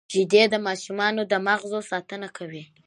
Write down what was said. شیدې د ماشوم د مغزو ساتنه کوي